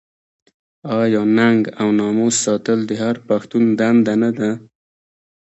آیا ننګ او ناموس ساتل د هر پښتون دنده نه ده؟